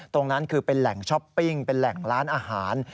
ตรงนั้นคือเป็นแหล่งช้อปปิ้งเป็นแหล่งร้านอาหาร